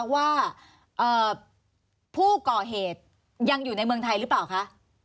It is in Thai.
ว่าผู้ก่อเหตุยังอยู่ในเมืองไทยหรือเปล่าคะ